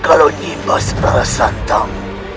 kalau nimas rara santam